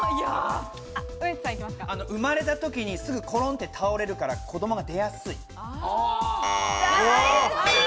生まれた時にすぐコロンと倒れるから子供が出やすい。